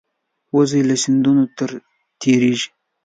وزې له سیندونو تېرېږي